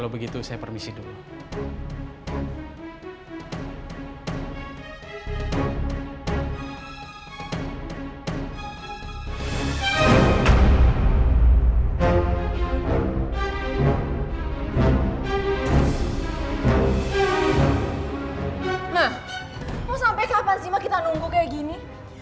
mau sampai kapan sih kita nunggu kayak gini